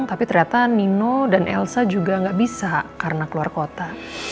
tapi ternyata nino dan elsa juga nggak bisa karena keluar kota